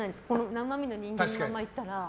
生身の人間のまま行ったら。